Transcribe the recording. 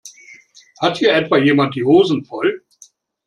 Hat hier etwa jemand die Hosen voll?